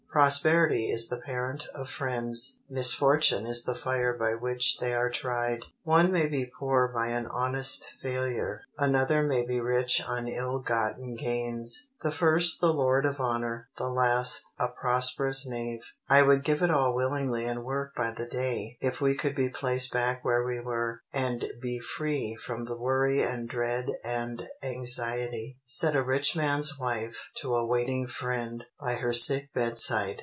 _ "Prosperity is the parent of friends; misfortune is the fire by which they are tried." One may be poor by an honest failure, another may be rich on ill gotten gains. The first the lord of honor, the last a prosperous knave. "I would give it all willingly and work by the day if we could be placed back where we were, and be free from the worry and dread and anxiety," said a rich man's wife to a waiting friend by her sick bedside.